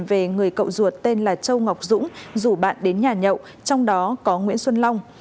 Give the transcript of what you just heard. về người cậu ruột tên là châu ngọc dũng rủ bạn đến nhà nhậu trong đó có nguyễn xuân long